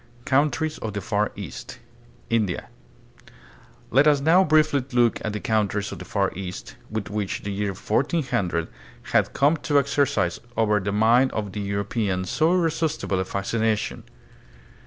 Countries of the Far East. India. Let us now briefly look at the countries of the Far East, which by the year 1400 had come to exercise over the mind of the European so irresistible a fascination.